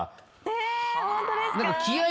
え！